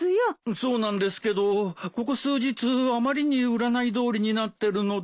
そうなんですけどここ数日あまりに占いどおりになってるので。